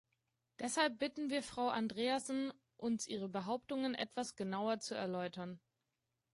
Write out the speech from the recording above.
Deshalb bitten wir Frau Andreasen, uns ihre Behauptungen etwas genauer zu erläutern.